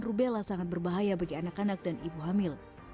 rubella sangat berbahaya bagi anak anak dan ibu hamil